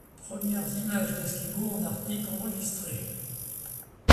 Premières images d'Esquimaux en Arctiques enregistrées.